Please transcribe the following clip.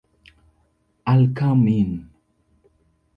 I'll come in.